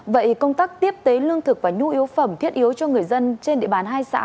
vậy công tác tiếp tế lương thực và nhu yếu phẩm thiết yếu cho người dân trên địa bàn hai xã